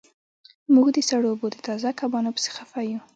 موږ د سړو اوبو د تازه کبانو پسې خفه یو